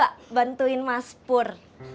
aku mau bantuin mas pur